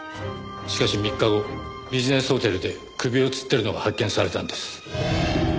しかし３日後ビジネスホテルで首を吊ってるのが発見されたんです。